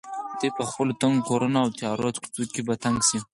دوی په خپلو تنګو کورونو او تیارو کوڅو کې په تنګ شي.